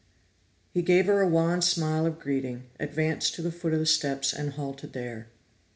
He gave her a wan smile of greeting, advanced to the foot of the steps, and halted there.